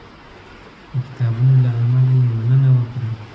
د کتابونو له امله یې مننه وکړه.